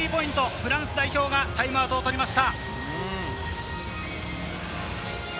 フランスがタイムアウトを取りました。